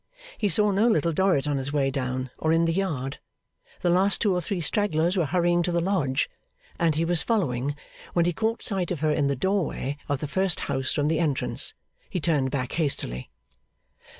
He saw no Little Dorrit on his way down, or in the yard. The last two or three stragglers were hurrying to the lodge, and he was following, when he caught sight of her in the doorway of the first house from the entrance. He turned back hastily.